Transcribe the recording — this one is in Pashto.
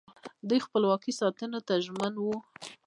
دوی خپلواکي ساتلو ته ژمن وو